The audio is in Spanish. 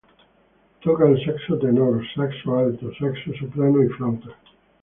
Toca el saxo tenor, saxo alto, saxo soprano y flauta.